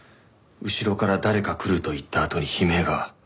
後ろから誰か来ると言ったあとに悲鳴が。